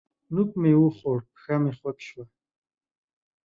نوک مې وخوړ؛ پښه مې خوږ شوه.